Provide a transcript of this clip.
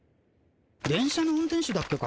電車の運転手だっけか？